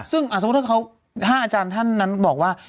ซึ่งสมมุติถ้าอาจารย์ท่านนั้นบอกว่า